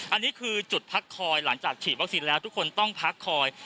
อันนี้คือจุดพักคอยหลังจากฉีดวัคซีนแล้วทุกคนต้องพักคอย